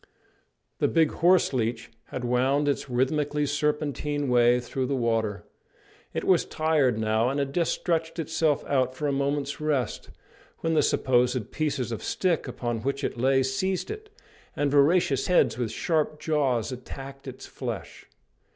The big horse leech had wound its rhythmically serpentine way through the water. It was tired now, and had just stretched itself out for a moment's rest, when the supposed pieces of stick upon which it lay seized it, and voracious heads with sharp jaws attacked its flesh.